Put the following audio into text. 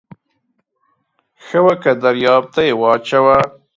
ښه وکه و درياب ته يې واچوه.